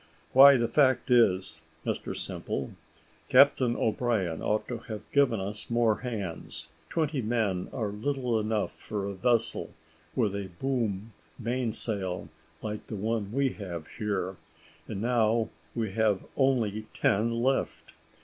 "Why, the fact is, Mr Simple, Captain O'Brien ought to have given us more hands; twenty men are little enough for a vessel with a boom mainsail like the one we have here; and now we have only ten left!